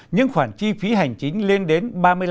những khoản chi phí hành chính lên đến ba mươi năm bốn mươi